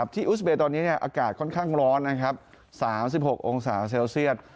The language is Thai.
อุสเบย์ตอนนี้อากาศค่อนข้างร้อน๓๖องศาเซลเซียต